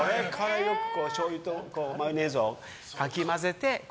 しょうゆとマヨネーズをかき混ぜて。